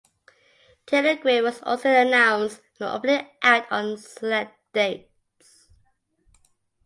Taylor Grey was also announced as an opening act on select dates.